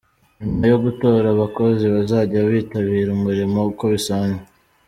Nyuma yo gutora abakozi bazajya bitabira umurimo uko bisanzwe.